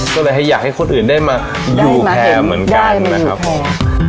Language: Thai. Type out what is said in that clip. ก็เลยให้อยากให้คนอื่นได้มาอยู่แพร่เหมือนกันนะครับผม